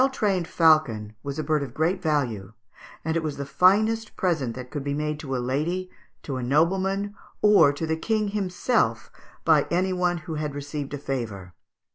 ] A well trained falcon was a bird of great value, and was the finest present that could be made to a lady, to a nobleman, or to the King himself, by any one who had received a favour.